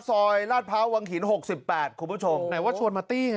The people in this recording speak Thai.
ลาดพร้าววังหินหกสิบแปดคุณผู้ชมไหนว่าชวนมาตี้ไง